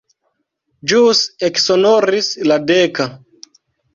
Ĵus eksonoris la deka.